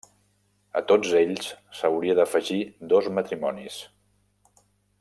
A tots ells s'hauria d'afegir dos matrimonis.